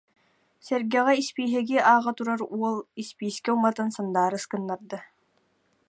Сэргэҕэ испииһэги ааҕа турар уол испиискэ уматан сандаарыс гыннарда